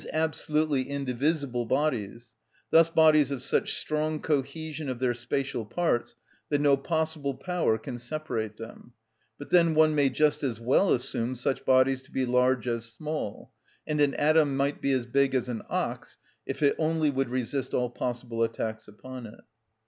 _, absolutely indivisible bodies, thus bodies of such strong cohesion of their spatial parts that no possible power can separate them: but then one may just as well assume such bodies to be large as small, and an atom might be as big as an ox, if it only would resist all possible attacks upon it.